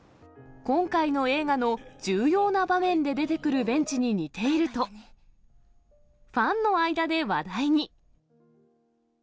今回の映画の重要な場面で出てくるベンチに似ていると、ファンの間で話題に。